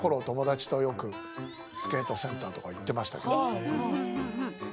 友達とよくスケートセンターとか行っていました。